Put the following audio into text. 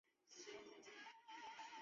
嘉熙是宋理宗赵昀的第四个年号。